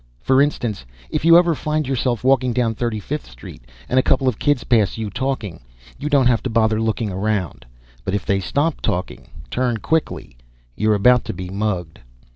For instance, if you ever find yourself walking down Thirty Fifth Street and a couple of kids pass you, talking, you don't have to bother looking around; but if they stop talking, turn quickly. You're about to be mugged.